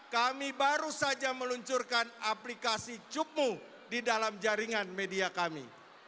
kami baru saja meluncurkan aplikasi cupmu di dalam jaringan media kami